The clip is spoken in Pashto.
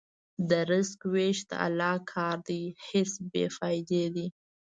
د رزق وېش د الله کار دی، حرص بېفایده دی.